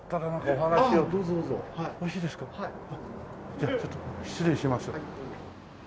じゃあちょっと失礼します。